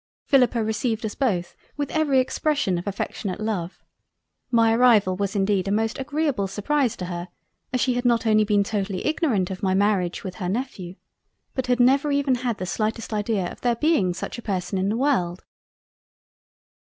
Philippa received us both with every expression of affectionate Love. My arrival was indeed a most agreable surprise to her as she had not only been totally ignorant of my Marriage with her Nephew, but had never even had the slightest idea of there being such a person in the World.